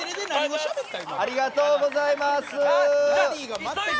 おめでとうございます！